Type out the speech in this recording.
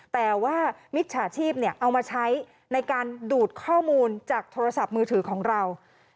แต่ว่ามิจฉาชีพเอามาใช้ในการดูดข้อมูลจากโทรศัพท์มือถือของเรา